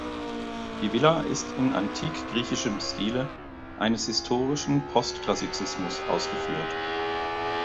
Die Villa ist in antik-griechischem Stile eines historistischen Post-Klassizismus ausgeführt.